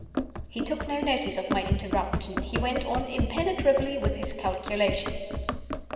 He took no notice of my interruption; he went on impenetrably with his calculations.